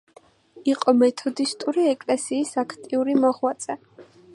იყო მეთოდისტური ეკლესიის აქტიური მოღვაწე.